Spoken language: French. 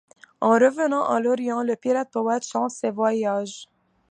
En revenant à Lorient, le pirate poète chante ses voyages.